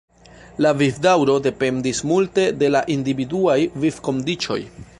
La vivdaŭro dependis multe de la individuaj vivkondiĉoj.